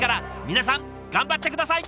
皆さん頑張って下さい！